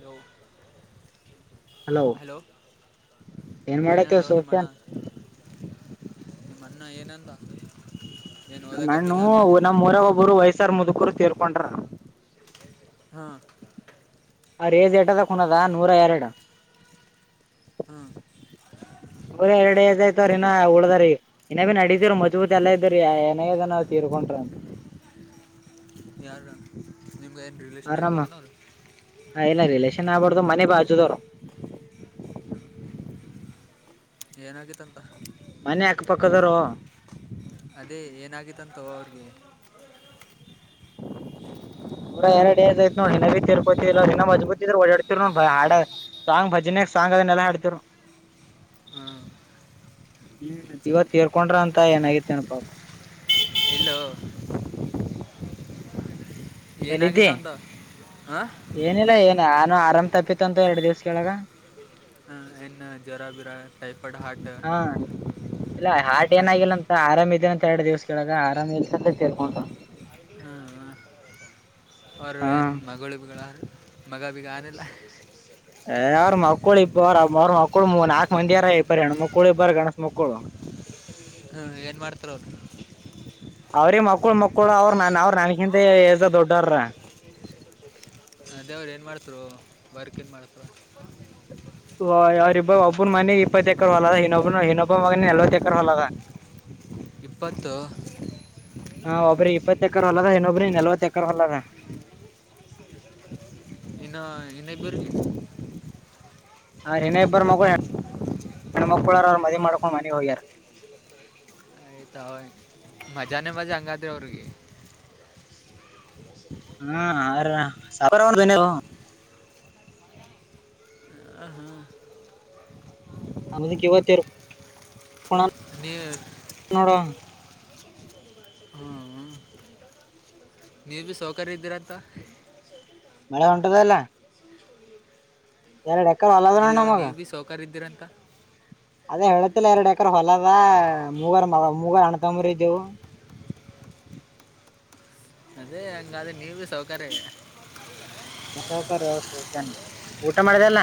ನ ಹಲೋ ಏನ್ ಮಾಡತಿವ ಏನಂದವ ನಿಮ್ಮಣ್ಣ ಸೋಶನ್ ನಿಮ್ಮಣ್ಣ ಏನಂದ ಏನು ನ ಓದಕತ್ತಿಲ್ಲ ಅಂದ ಏನು ನಣ ನಮ್ಮ್ಊರಾಗ ಒಬ್ಬರು ವಯಸ್ಸಾರ ಮುದುಕರು ತೇರ್ಕೊಂಡ್ರ ಹಾ ಅರೇಜ್ ಟದ ಕುನದ ನೂರ ಎರಡು ಹಾಂ ಅವರ ಎರಡು ಐದಯ್ತ್ರನ ಉಳ್ದ್ರ [unintelligible] ಇನ ಭ ನಡೀತೀರು ಮಜಭೂತಿ ಎಲ್ಲ ಇದ್ದ್ರ ಏನಾಗದ ನಾವ ತೀರ್ಕೊಂಡ್ರಿ ಯಾರ ಆರಾಮ ಹ ಇಲ್ಲ ರಿಲೇಶನ್ ಆಗ್ಬಾರ್ದು ಮನೆ ಬಾಚುದವರು ಏನಾಗಿತ್ತಂತ ಮನೆ ಅಕ್ಕಪಕ್ಕದಾರ ಅದೇ ಏನಾಗಿತ್ತಂತ ಅವ್ರಿಗೆ ನೂಡ ಎರಡು ಏದ ಆಐತ್ ನೋಡ್ ನನ ಬಿ ತಿರ್ಕೋತಿನ್ನ ಮಜಬೂತ ಇದ್ರ ಓಡಾಡ್ತಿ ನೋಡ್ ಬಾಡ ಸಾಂಗ್ ಭಜನೆ ಸಾಂಗ್ ಅದನ್ನೆಲ್ಲಾ ಆಡ್ತರು ಹ್ಮ ಹ್ಮ್ ಇವತ್ ತೇರ್ಕೊಂಡ್ರ ಅಂತ ಏನಾಗಿತೆನಪಾಪ ಇಲ್ಲೋ ಎಲ್ಲಿದ್ದೀ ಏನಾಗಿತ್ತಂತ ಹಾಂ ಏನಿಲ್ಲ ಏನು ನಾನು ಆರಾಮ್ ತಪ್ಪಿತತ್ಂತು ಎರಡು ದಿವ್ಸ ಕೆಳಗ ಏನು ಜರಾಬರಾ ಟೈಫಯಡ್ ಹಾರ್ಟ [unintelligible] ಹಾ ಇಲ್ಲ ಹಾಟ್ ಏನಾಗಿಲ್ಲ ಅಂತ ಆರಾಮ್ ಇದಿನ ಇತ್ತ ಎರಡು ದಿವ್ಸ ಕೆಳಗ ಆರಾಮ ಇಲ್ ತಿರ್ಕೊಟ ಅವರು ಏನು ಮಗಳು ಬಿಗಳ ಮಗ ಬಿಗ ಏನಿಲ್ಲ ಯ ಅವ್ರ ಮಕ್ಕಳು ಬಬರ ಅವ್ರ ಮಕ್ಕಳು ನಾಲ್ಕಕ್ ಮಂದಿ ಯಾರ ಇಬರ ಹೆಣ ಮಕ್ಕಳು ಬರ ಗಣಸ್ ಮಕ್ಕಳು ಹ್ಮ ಏನ್ ಮಾಡ್ತಾರ ಅವರು ಅವ್ರ ಮಕ್ಕಳು ಮಕ್ಕಳು ಅವ್ರ ನನ್ ಅವರು ನನ್ಗಿಂತ ಎಏಜ ದೊಡ್ಡವರ್ರ ಹ ದೇವರು ಏನು ಮಾಡ್ತರು ವರ್ಕ್ ಏನು ಮಾಡ್ತರು ಅವ್ರರಿಬ್ಬ ಒಬ್ಬನ ಮನೆ ಇಪ್ಪತ್ತ ಎಕರ್ ಹೊಲದ ಇನ್ನೊಬ್ಬನ ಇನ್ನೊಬ್ಬ ಮಗನ ನಲ್ವತ್ತ ಎಕರ್ ಹೊಲದ ಇಪ್ಪತ್ತು ಹಾ ಒಬ್ರಿ ಇಪ್ಪತ್ತ ಎಕರ ಹೊಲದ ಇನ್ನೊಬ್ರಿ ನಲ್ವತ್ತ ಎಕರ ಹೊಲದ ಇನ್ನ ಇನ್ನ ಬರು ಆ್ರ ಹನ್ನ ಇಬ್ಬರು ಮಗಳು ಹೆಣ್ಮಕ್ಕಳರ ಅವ್ರರು ಮದಿ ಮಾಡ್ಕೊಂಡ್ ಮನೆಹೋಗ್ಯಾರ ತ ಹ ಮಜಾನ ಮಜಾ ಹಂಗಾದ ರ ಅವರುರಿಗೆ ಹ್ಮ [unintelligible] ಹಾಂ ಆಮದು ಕವ ಚರು ನೀವು ನೋಡ [unintelligible] ಹಾಂ ನೀವು ಭೀ ಸೌಕರ್ಯ ಇದ್ದೀರಾ ಅಂತ ಮಳೆ ಉಂಟದಲ್ಲ ಎರಡ ಇಲ್ಲೋ ನೀವ ಭೀ ಸೌಕಾರ ಇದ್ದೀರಂತ ಅದೇ ಹೇಳತಿಲ್ಲ ಎರಡ್ ಎಕರ ಹೊಲದ ಮೂಗರ್ ಮ ಮೂಗರ್ ಅಣತಂಬ್ರಜವು ಅದೇ ಹಂಗಾದ್ರೆ ನೀವ ಭ ಸೌಕರ್ಯ ಸೌಕಾರನ್ ಊಟ ಮಾಡ್ದಲ್ಲ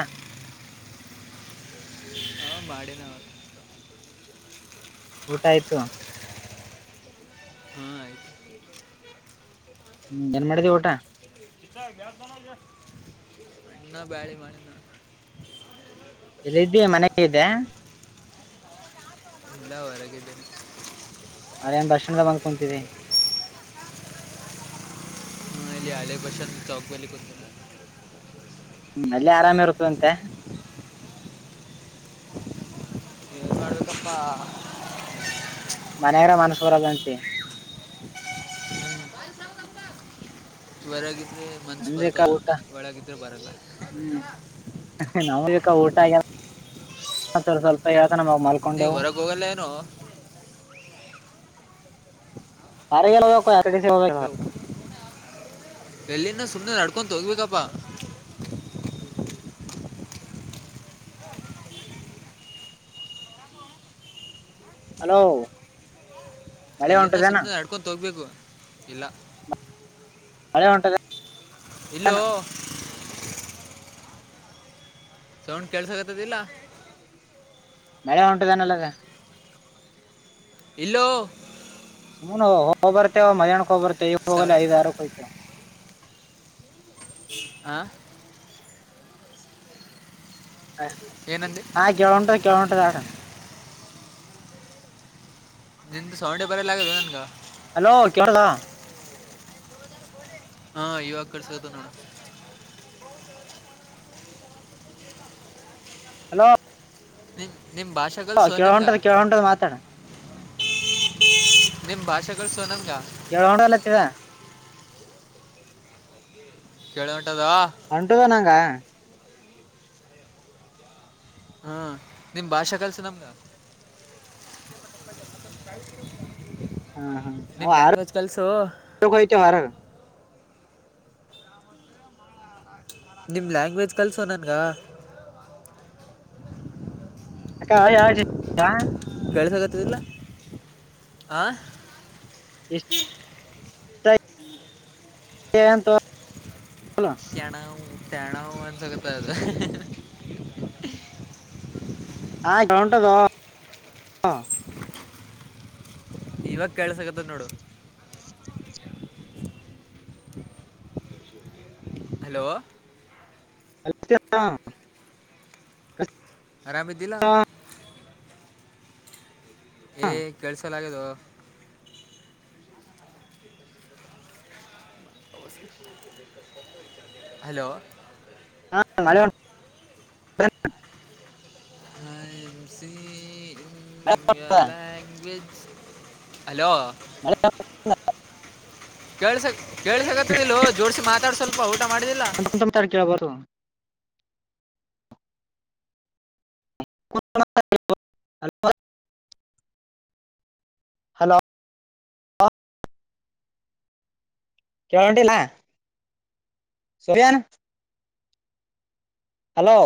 ಹಾಂ ಮಾಡ ನ ಅವ [unintelligible] ಊಟ ಆಯ್ತು ಹಾ ಹ್ಮ್ ಏನ್ ಮಾಡಿದೀ ಊಟ ನ ಬಾರಿ ಮಾಡನೆ ನ [unintelligible] ಇಲ್ಲ್ದೀ ಮನೆಗೆ ಇದೆ ಎಲ್ಲ ಹೊರಗಿದ್ದೀನೆ ಅದ ನ್ ದರ್ಶಣದ ಬಂದಕೊಂತೀವಿ ಹಾಂ ಹಳೆ ಬಸ್ಟಾಂಡ್ ಚೌಕವಲ್ಲಿ ಕು ಹ್ಮ್ ಅಲ್ಲಿ ಆರಾಮ ಇರ್ತ್ತದಂತೆ ಯಪ್ಪಾ ಮನೆಯರ ಮನಸರದಂತೆ ವರಗಿದ್ರೆ ಮನ್ಸ ಅನ್ಬೇಕಾ ಬರ್ತಾರ ಊಟ ಒಳಗಿದ್ರೆ ಬರ ನಾವ್ ಯ ಊಟ ಸ್ವಲ್ಪ ಯ ನವು ನೀವು ಮಲ್ಕೊಂಡೆವು ಹೊರಗೆ ಹೋಗಲ್ಲ ಏನೋ ಅರಗೆಲ್ಲ ಅರ ಹಲೋ ಎಲ್ಲಿಂದ ಸುಮ್ನೆ ನಡ್ಕೊ ತೋಗ್ಬೇಕಪ್ಪಾ ಹಲೋ.. ಮಳೆ ಎಲ್ಲಿಂದ ಹೊಂಟದೇನ ಸುಮ್ಮನೆ ನಡ್ಕೊು ತೋಗ್ಬೇಕು ಇಲ್ಲ ಅ ಹೊಂಟಾರೆ ಇಲೋ ಸೌಂಡ್ ಕೆಲ್ಸಗತದಿಲ್ಲ ಮಳ ಉಂಟದಾನಲ್ಲದ ಇಲ್ಲೋ ಹ ಹೋಗ್ ಬರ್ತೆವ ಮಧ್ಯಾಹ್ಕ್ಕೆ ಹೋಗ ಬರ್ತೇ ಈವ ಹೋಗ ಸೌಂಡ್ ಐದ ಆಾರ ಹೋಗ್ತೇವ ಆ ಏನಂದೆ ಹಾ ಕೆವಂಟು ಕೆವಂಟದುಡ ನಿದ ಸೌಂಡೆ ಬರ ಆದು ನನ್ಗ ಹಲೋ ಕಲಾ.. ಹಾ ಯುವಾಗ ಕಸತ ನೋಡ ಹಲೋ ವಿ ಹಓ ಕೆಳ ಹೊಂಟದ್ ಕೆಳ ಹೊಂಟದ್ ಮಾತಾಡ ನಿಮ್ ಭಾಷೆಗಳುಳ್ಸೋ ನಂಗ ಕೇಳೋಡಲ ಅತ ಹೇಳ. ಕೆೇಳ ಅಂಟುದ ನಂಗ. ಹಾ ನಿಮ್ ಭಾಷೆ ಕಲ್ಸ ನಮ್ಗ. ಕಳ್ಸ್ರಿ ಬ್ರೋ ಹಾ ಹಾ ನಾ ಆರಕ ಒಯ್ತೀಯು ಹರ್ಯಾಗ್. ನಿಮ್ ಲ್ಯಾಂಗ್ವೇಜ್ ಕಲ್ಸೋ ನನ್ಗ. ಅಕ್ಕಾ ಅವ ಯಾವ್ ಜಾತಿದ [unintelligible] ಕೇಳ್ಸಕತದಿಲ್ಲ ಆ ಎ ಷ್ಟ ನುಂತ ಕೇಡಂವ ಕೇಡಂವ ಅನ್ಸಗತದ. ಹಾ ಗೌಂಟದ ಹ. ಇವಾಗ ಕೇಳಸಗತದ ನೋಡ ಹಲೋ ಅ [unintelligible] ಅರಾಮ ಅದಿಲ್ಲ. ಏ ಹಾ, ಕೆಲಸಲಾಗದೊ. ಹಲೋ ಹಾ [unintelligible] ವು ಸಿ ಹ [unintelligible] ಪೆಂಗವಿನ್ಸ್ ಹಲೋ. ಮಳಿ ಏನ್ [unintelligible] ಕೇಳಸ ಕೇಳಸಗತ್ತದ ಇಲ್ಲೊ ಜೋಡಸಿ ಮಾತಾಡ್ ಸ್ವಲ್ಪ ಮಾಡಿದಿಲ್ಲ ನಾ ಮಾತಾಡ್ಯೂ ಕೇಳ್ಬಾತ್ತು. [unintelligible] ಹಲೋ ಕೇಳಂಟಿಲ್ಲಾ ಸೋರಿಯನ್. ಹಲೋ